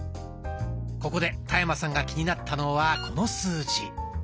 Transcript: ここで田山さんが気になったのはこの数字。